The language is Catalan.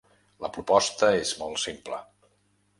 La proposta és molt simple.